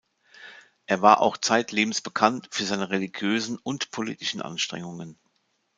Er war auch zeitlebens bekannt für seine religiösen und politischen Anstrengungen.